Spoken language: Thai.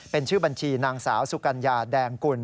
เป็นชื่อบัญชีนางสาวสุกัญญาแดงกุล